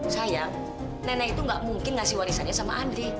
sayang nenek itu gak mungkin ngasih warisannya sama andri